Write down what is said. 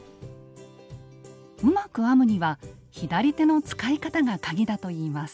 うまく編むには左手の使い方がカギだといいます。